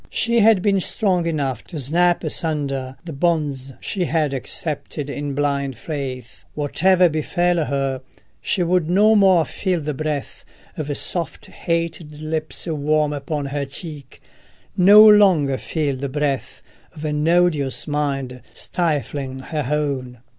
She had been strong enough to snap asunder the bonds she had accepted in blind faith: whatever befell her, she would no more feel the breath of soft hated lips warm upon her cheek, no longer feel the breath of an odious mind stifling her own.